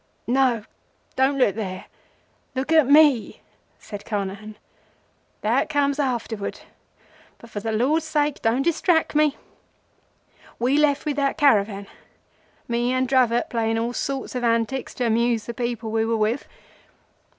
"No, don't look there. Look at me," said Carnehan. "That comes afterwards, but for the Lord's sake don't distrack me. We left with that caravan, me and Dravot, playing all sorts of antics to amuse the people we were with.